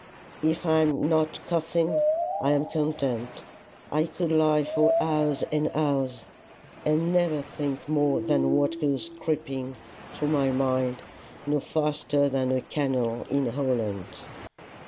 If I am not coughing, I am content. I could lie for hours and hours and never think more than what goes creeping through my mind no faster than a canal in Holland.